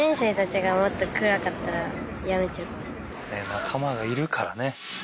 仲間がいるからね。